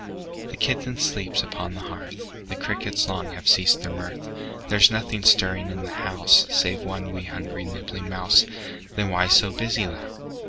The kitten sleeps upon the hearth, The crickets long have ceased their mirth; There's nothing stirring in the house Save one 'wee', hungry, nibbling mouse, Then why so busy thou?